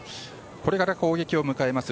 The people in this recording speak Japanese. これから攻撃を迎えます